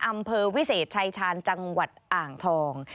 อำเภอวิเศษชายชาญจังหวัดอ่างทอง